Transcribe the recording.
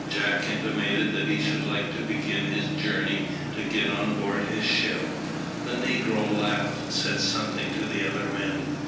Jack intimated that he should like to begin his journey to get on board his ship. The negro laughed and said something to the other men.